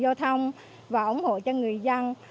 giao thông và ủng hộ cho người dân